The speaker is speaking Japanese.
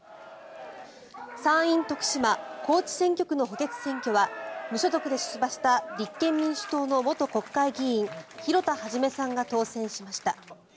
参院徳島・高知選挙区の補欠選挙は無所属で出馬した立憲民主党の元国会議員広田一さんが当選しました。